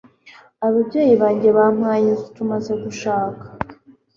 Ababyeyi banjye bampaye inzu tumaze gushaka.